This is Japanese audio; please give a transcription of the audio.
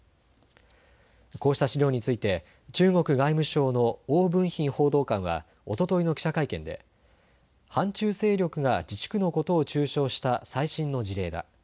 こうした資料について中国外務省の汪文斌報道官はおとといの記者会見で反中勢力が自治区のことを中傷した最新の事例だ。